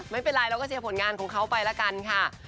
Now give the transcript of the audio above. ไม่เป็นไรเราก็เชียร์ผลงานของเขาไปละกันค่ะ